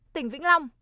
tỉnh vĩnh long